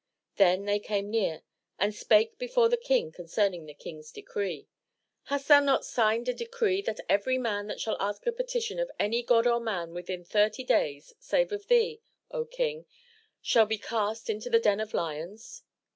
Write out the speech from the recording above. Then they came near, and spake before the King concerning the King's decree: "Hast thou not signed a decree that every man that shall ask a petition of any God or man within thirty days, save of thee, O King, shall be cast into the den of lions?"